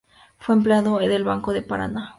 Fue empleado del Banco del Paraná.